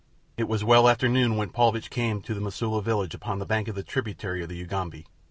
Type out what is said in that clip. It was well after noon when Paulvitch came to the Mosula village upon the bank of the tributary of the Ugambi.